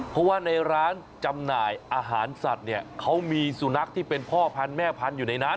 เพราะว่าในร้านจำหน่ายอาหารสัตว์เนี่ยเขามีสุนัขที่เป็นพ่อพันธุ์แม่พันธุ์อยู่ในนั้น